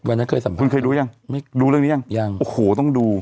วันนั้นเคยสัมภัยคุณเคยดูยังไม่ดูเรื่องนี้ยังยังโอ้โหต้องดู